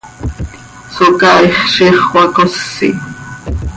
Socaaix ziix xöacosi.